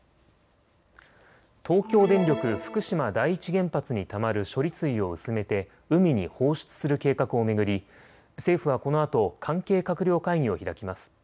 東京電力福島第一原発にたまる処理水を薄めて海に放出する計画を巡り政府はこのあと関係閣僚会議を開きます。